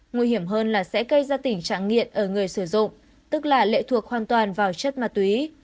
nguy hiểm hơn là sẽ gây ra tình trạng nghiện ở người sử dụng tức là lệ thuộc hoàn toàn vào chất ma túy